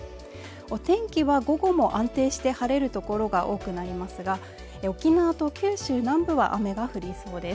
お天気は午後も安定して晴れるところが多くなりますが沖縄と九州南部は雨が降りそうです。